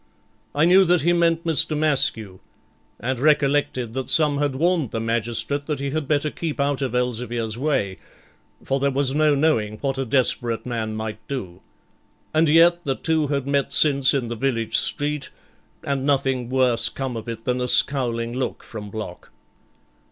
I knew that he meant Mr. Maskew, and recollected that some had warned the magistrate that he had better keep out of Elzevir's way, for there was no knowing what a desperate man might do. And yet the two had met since in the village street, and nothing worse come of it than a scowling look from Block.